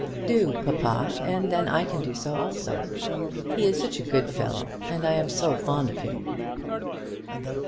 "Do, papa, and then I can do so also. He is such a good fellow, and I am so fond of him."